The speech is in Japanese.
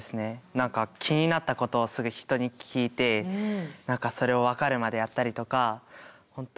何か気になったことをすぐ人に聞いてそれを分かるまでやったりとか本当